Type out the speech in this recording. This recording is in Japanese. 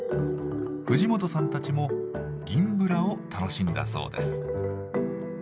藤本さんたちも「銀ブラ」を楽しんだそうです。